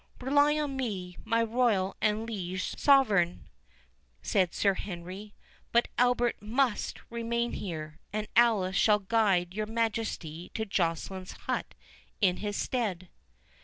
"Rely on me, my royal and liege Sovereign," said Sir Henry; "but Albert must remain here, and Alice shall guide your Majesty to Joceline's hut in his stead."